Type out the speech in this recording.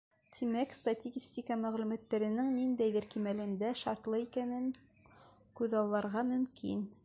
Тимәк, статистика мәғлүмәттәренең ниндәйҙер кимәлдә шартлы икәнен күҙалларға мөмкин.